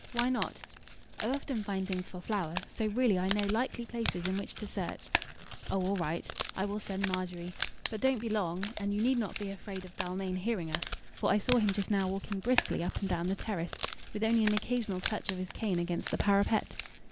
Why not? I often find things for Flower, so really I know likely places in which to search. Oh, all right! I will send Margery. But don't be long. And you need not be afraid of Dalmain hearing us, for I saw him just now walking briskly up and down the terrace, with only an occasional touch of his cane against the parapet.